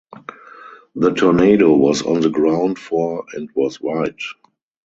The tornado was on the ground for and was wide.